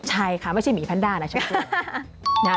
ใช่ค่ะไม่ใช่หมีแพนด้านะเฉพาะ